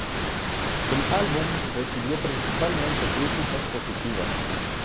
El álbum recibió principalmente críticas positivas.